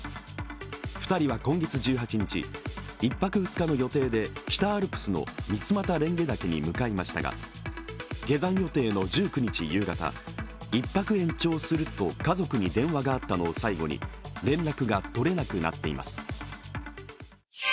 ２人は今月１８日、１泊２日の予定で北アルプスの三俣蓮華岳に向かいましたが下山予定の１９日夕方、１泊延長すると家族に連絡があったのを最後に連絡が取れなくなっています。